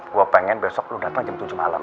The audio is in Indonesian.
gue pengen besok lu datang jam tujuh malam